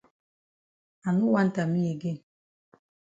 I no want am me again.